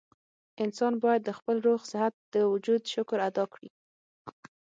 انسان بايد د خپل روغ صحت د وجود شکر ادا کړي